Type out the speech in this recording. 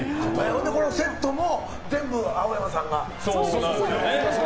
このセットも全部青山さんが。